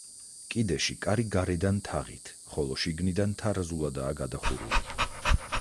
კიდეში კარი გარედან თაღით, ხოლო შიგნიდან თარაზულადაა გადახურული.